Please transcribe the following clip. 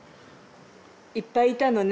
いっぱいいたのね